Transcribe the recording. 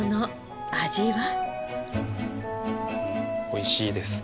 おいしいです。